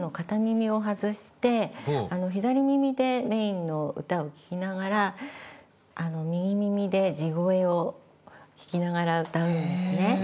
左耳でメインの歌を聴きながら右耳で地声を聴きながら歌うんですね。